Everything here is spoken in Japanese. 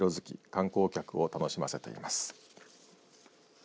観光客を楽しませています。